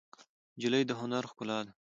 نجلۍ د هنر ښکلا ده.